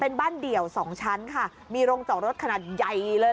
เป็นบ้านเดี่ยวสองชั้นค่ะมีโรงจอดรถขนาดใหญ่เลย